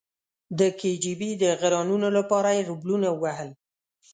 د کې جی بي د غیرانونو لپاره یې روبلونه ووهل.